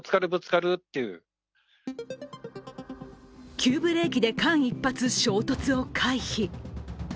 急ブレーキで間一髪、衝突を回避